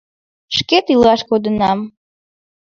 Шкет илаш кодынам.